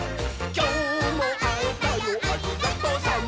「きょうもあえたよありがとさん！」